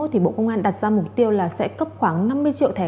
thì bộ công an đặt ra mục tiêu là sẽ cấp khoảng năm mươi triệu thẻ